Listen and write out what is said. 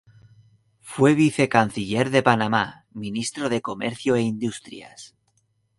Fue vicecanciller de Panamá, ministro de Comercio e Industrias.